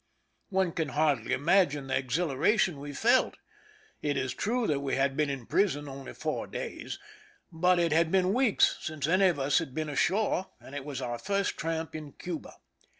One can hardly imagine the exhilaration we felt. It is true that we had been in prison only four days, but it had been weeks since any of us had been ashore, and it was our first tramp in Cuba.